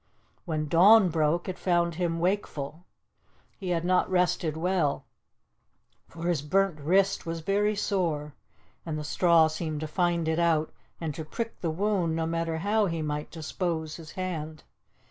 When dawn broke it found him wakeful. He had not rested well, for his burnt wrist was very sore, and the straw seemed to find it out and to prick the wound, no matter how he might dispose his hand.